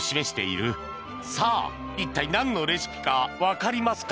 さあ一体なんのレシピかわかりますか？